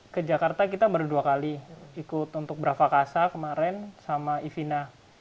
ke jakarta kita berdua kali ikut untuk brava casa kemarin sama ivina